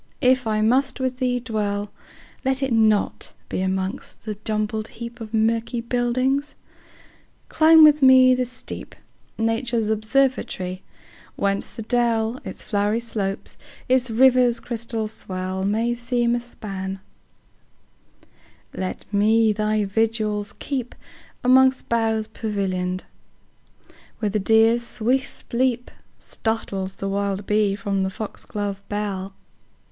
if I must with thee dwell, Let it not be among the jumbled heapOf murky buildings; climb with me the steep,—Nature's observatory—whence the dell, Its flowery slopes, its river's crystal swell, May seem a span; let me thy vigils keep'Mongst boughs pavillion'd, where the deer's swift leapStartles the wild bee from the fox glove bell.